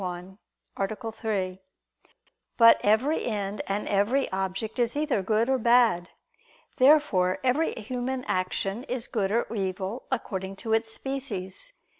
1, A. 3). But every end and every object is either good or bad. Therefore every human action is good or evil according to its species.